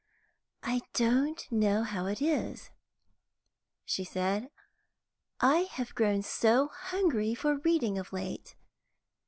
"I don't know how it is," she said, "I have grown so hungry for reading of late.